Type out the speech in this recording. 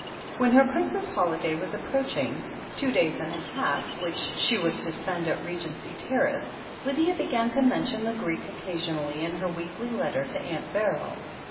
When her Christmas holiday was approaching — ^two days and a half which she was to spend at Regency Terrace — ^Lydia began to mention the Greek occasion ally in her weekly letter to Aunt Beryl.